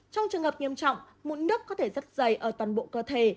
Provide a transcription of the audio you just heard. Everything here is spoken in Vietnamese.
trong trường hợp nghiêm trọng mụn nước có thể rất dày ở toàn bộ cơ thể